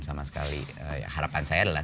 sama sekali harapan saya adalah